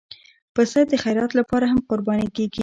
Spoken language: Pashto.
پسه د خیرات لپاره هم قرباني کېږي.